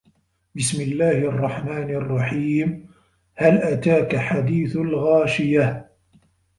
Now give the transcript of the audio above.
بِسمِ اللَّهِ الرَّحمنِ الرَّحيمِ هَل أَتاكَ حَديثُ الغاشِيَةِ